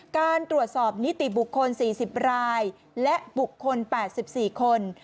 การตรวจสอบนิติบุคคล๔๐รายและบุคคล๘๔คน